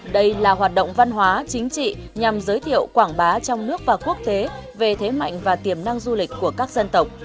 đây là hoạt động văn hóa chính trị nhằm giới thiệu quảng bá trong nước và quốc tế về thế mạnh và tiềm năng du lịch của các dân tộc